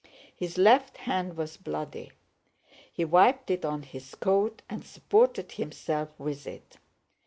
His left hand was bloody; he wiped it on his coat and supported himself with it.